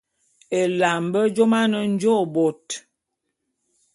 Ela a mbe jôm ane njôô bôt.